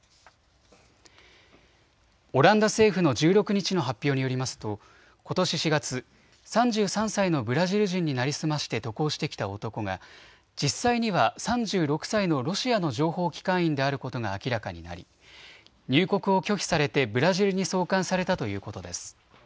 オランダ政府の１６日の発表によりますとことし４月、３３歳のブラジル人に成り済まして渡航してきた男が実際には３６歳のロシアの情報機関員であることが明らかになり入国を拒否されてブラジルに送還されたということです。